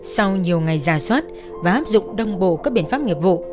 sau nhiều ngày gà sót và áp dụng đông bộ các biện pháp nghiệp vụ